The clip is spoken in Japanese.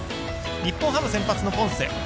日本ハム先発のポンセ。